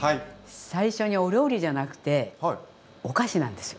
最初にお料理じゃなくてお菓子なんですよ。